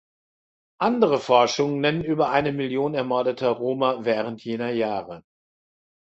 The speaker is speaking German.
Andere Forschungen nennen über eine Million ermordeter Roma während jener Jahre.